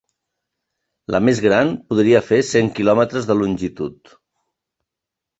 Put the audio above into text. La més gran podria fer cent quilòmetres de longitud.